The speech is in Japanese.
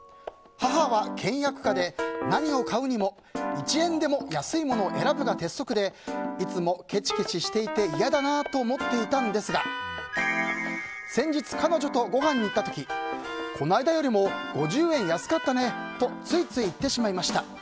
母は倹約家で、何を買うにも１円でも安いものを選ぶが鉄則でいつもケチケチしていて嫌だなと思っていたんですが先日、彼女とごはんに行った時この間よりも５０円安かったねとついつい言ってしまいました。